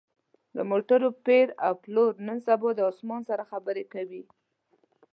د موټرو پېر او پلور نن سبا د اسمان سره خبرې کوي